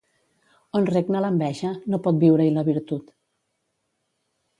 On regna l'enveja, no pot viure-hi la virtut.